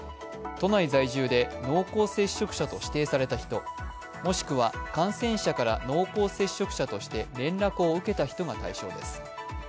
都内在住で濃厚接触者と指定された人もしくは感染者から濃厚接触者として連絡を受けた人が対象です。